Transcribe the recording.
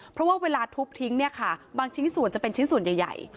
เพราะว่าเวลาทุบทิ้งเนี่ยค่ะบางชิ้นส่วนจะเป็นชิ้นส่วนใหญ่